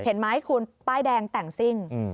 เห็นไหมคุณป้ายแดงแต่งซิ่ง